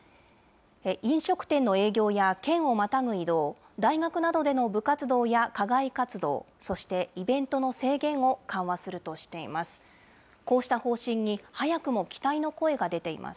飲食店の営業や県をまたぐ移動、大学などでの部活動や課外活動、そしてイベントの制限を緩和するとしています。